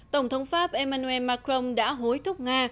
tổng thống pháp emmanuel macron đã hối thúc nga